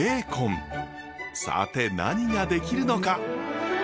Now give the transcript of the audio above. さて何が出来るのか？